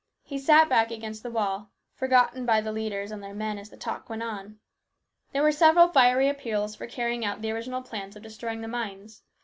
He sat back against the wall, forgotten by the leaders and their men as the talk went on. There were several fiery appeals for carrying out the original plans of destroying the mines.